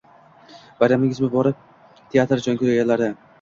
Bayramingiz muborak, teatr jonkuyarlari!